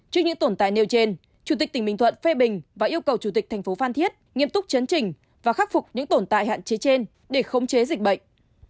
trước những tồn tại nêu trên chủ tịch tỉnh bình thuận phê bình và yêu cầu chủ tịch thành phố phan thiết nghiêm túc chấn trình và khắc phục những tồn tại hạn chế trên để khống chế dịch bệnh